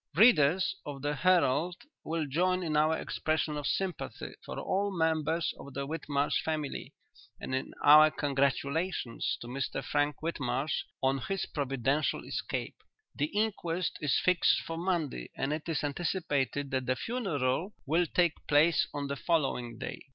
"'Readers of The Herald will join in our expression of sympathy for all members of the Whitmarsh family, and in our congratulations to Mr Frank Whitmarsh on his providential escape. "'The inquest is fixed for Monday and it is anticipated that the funeral will take place on the following day.'"